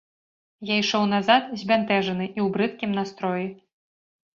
Я ішоў назад збянтэжаны і ў брыдкім настроі.